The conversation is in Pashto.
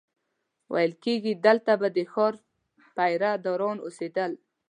ویل کېږي دلته به د ښار پیره داران اوسېدل.